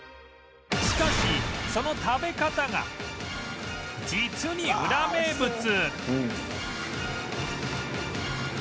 しかしその食べ方が実にウラ名物